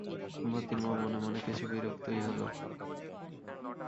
মোতির মা মনে মনে কিছু বিরক্তই হল।